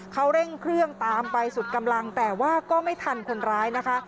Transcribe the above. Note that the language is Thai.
เขาเร่งเครื่องตามไปสุดกำลังแต่ว่าก็ไม่ทันคนร้ายนะคะ